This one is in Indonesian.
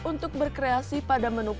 untuk berkreasi pada menurutmu